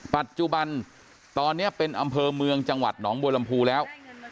ปัจจุบันตอนนี้เป็นอำเภอเมืองจังหวัดหนองบัวลำพูแล้ว